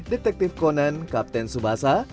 detektif conan kapten tsubasa